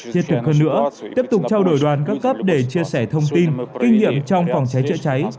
thiết thực hơn nữa tiếp tục trao đổi đoàn các cấp để chia sẻ thông tin kinh nghiệm trong phòng cháy chữa cháy